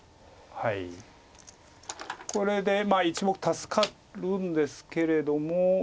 これで１目助かるんですけれども。